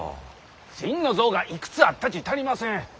心の臓がいくつあったち足りません！